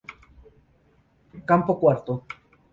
Campo Cuatro